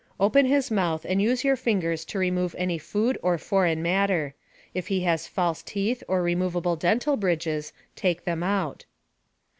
Open his mouth and use your fingers to remove any food or foreign matter. If he has false teeth or removable dental bridges, take them out.